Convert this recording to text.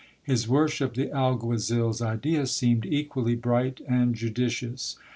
His worship the alguazil's idea seemed equally bright and judicious.